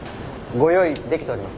ご用意できております。